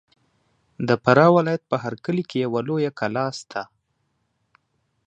د فراه ولایت په هر کلي کې یوه لویه کلا سته.